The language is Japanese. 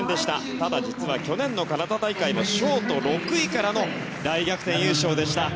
ただ、実は去年のカナダ大会もショート６位からの大逆転優勝でした。